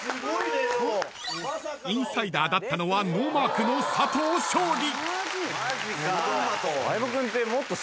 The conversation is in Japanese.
［インサイダーだったのはノーマークの佐藤勝利］